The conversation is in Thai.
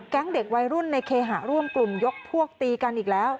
เด็กวัยรุ่นในเคหะร่วมกลุ่มยกพวกตีกันอีกแล้ว